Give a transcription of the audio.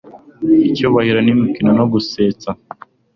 icyubahiro, imikino no gusetsa